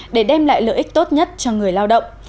để đem lại lợi ích tốt nhất cho người lao động